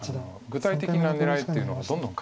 具体的な狙いっていうのはどんどん。